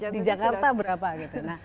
di jakarta berapa gitu